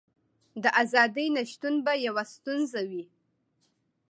د ازادۍ نشتون به یوه ستونزه وي.